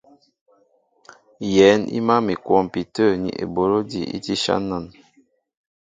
Yɛ̌n i mǎl mi a kwɔmpi tə̂ ni eboló ejí tí áshán nān.